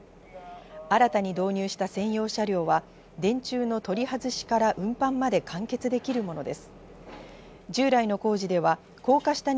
新たに導入した専用車両は電柱の取り外しから運搬まで完結できるものです。